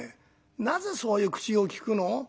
「なぜそういう口を利くの？」。